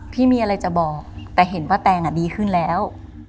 พี่มีอะไรจะบอกแต่เห็นป้าแตงดีขึ้นแล้ว